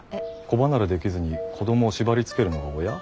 子離れできずに子どもを縛りつけるのが親？